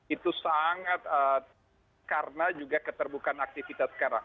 itu sangat karena juga keterbukaan aktivitas sekarang